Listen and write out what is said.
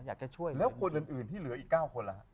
แล้วคนอื่นที่เหลืออีก๙คนล่ะ